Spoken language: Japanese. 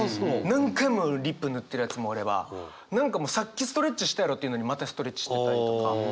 何回もリップ塗ってるやつもおれば何かさっきストレッチしたやろっていうのにまたストレッチしてたりとか。